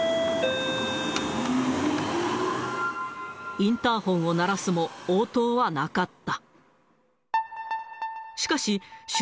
インターホンを鳴らすも、応答はなかった。